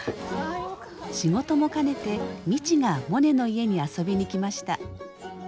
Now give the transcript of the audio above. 仕事も兼ねて未知がモネの家に遊びに来ました。